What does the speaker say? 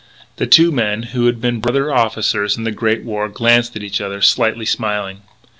The two men, who had been brother officers in the Great War, glanced at each other, slightly smiling.